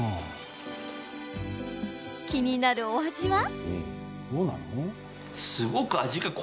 気になるお味は？